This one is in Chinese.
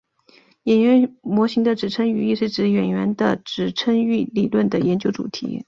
演员模型的指称语义是演员的指称域理论的研究主题。